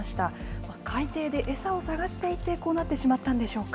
これ、海底で餌を探していてこうなってしまったんでしょうか。